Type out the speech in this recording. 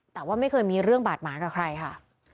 แต่ว่าไม่เคยมีเรื่องบาดหมางกับใครค่ะ